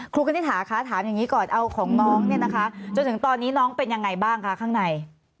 คณิตหาคะถามอย่างนี้ก่อนเอาของน้องเนี่ยนะคะจนถึงตอนนี้น้องเป็นยังไงบ้างคะข้างใน